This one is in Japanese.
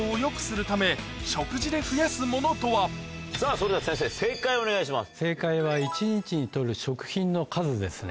それでは先生正解をお願いします。